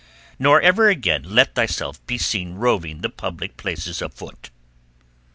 Nor ever again let thyself be seen roving the public places afoot."